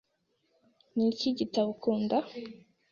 Niki gitabo ukunda?